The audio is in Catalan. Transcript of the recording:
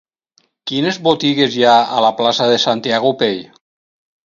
Quines botigues hi ha a la plaça de Santiago Pey?